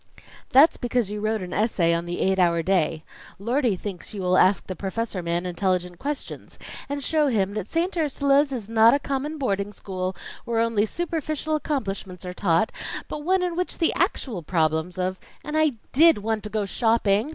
"That's because you wrote an essay on the 'Eight Hour Day.' Lordie thinks you will ask the professor man intelligent questions; and show him that St. Ursula's is not a common boarding school where only superficial accomplishments are taught, but one in which the actual problems of " "And I did want to go shopping!"